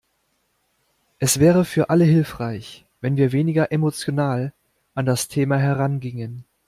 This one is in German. Es wäre für alle hilfreich, wenn wir weniger emotional an das Thema herangingen.